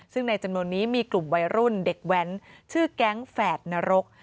ซึ่งในจำนวนนี้มีกลุ่มวัยรุ่นเด็กแว้นชื่อแก๊งแฝดนรก